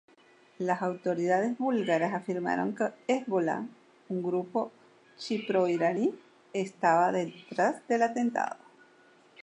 Las autoridades búlgaras afirmaron que Hezbolá, un grupo chií pro-iraní, estaba detrás del atentado.